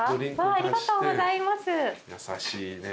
優しいね。